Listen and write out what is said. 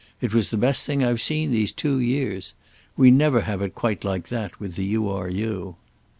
It was the best thing I've seen these two years. We never have it quite like that with the U. R. U.